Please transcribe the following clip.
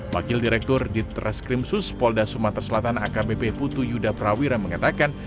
wakil direktur ditreskrimsus polda sumatera selatan akbp putu yuda prawira mengatakan